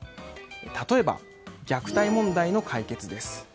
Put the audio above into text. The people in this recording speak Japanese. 例えば虐待問題の解決です。